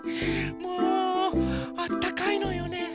もうあったかいのよね。